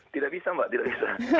tidak bisa mbak tidak bisa